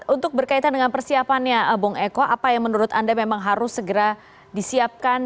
untuk berkaitan dengan persiapannya bung eko apa yang menurut anda memang harus segera disiapkan